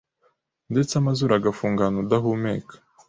nuko amazuru agafungana. udahumeka